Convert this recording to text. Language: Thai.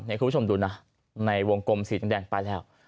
เห็นคุณผู้ชมดูนะในวงกลมสีด้านแดงไปแล้ว